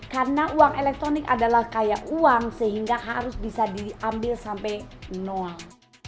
karena uang elektronik adalah kaya uang sehingga harus bisa diambil sampai nol